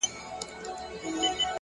خپل ژوند د مانا له رڼا ډک کړئ.!